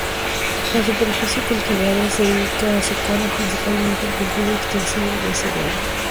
La superficie cultivada se dedica a secano, principalmente al cultivo extensivo de cereal.